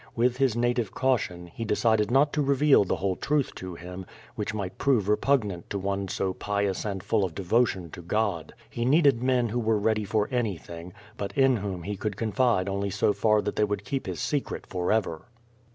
With his native caution, he decided not to reveal the whole truth to him, which might prove re pugnant to one so pious and full of devotion to God. He needed men who were ready for anything, but in whom he could confide only so far that they would keep his secret for ever.